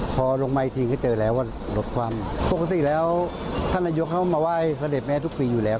พอลงมาอีกทีก็เจอแล้วว่ารถคว่ำปกติแล้วท่านนายกเข้ามาไหว้เสด็จแม่ทุกปีอยู่แล้ว